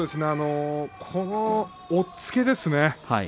この押っつけですね。